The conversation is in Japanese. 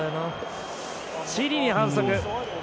チリに反則。